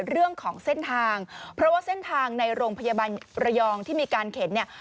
เรื่องของเส้นทางเพราะว่าเส้นทางในโรงพยาบาลระยองที่มีการเข็นเนี่ย